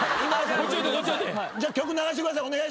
じゃあ曲流してください。